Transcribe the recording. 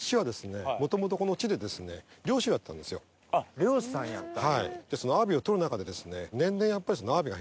漁師さんやったんや。